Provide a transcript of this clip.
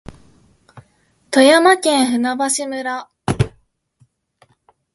富山県舟橋村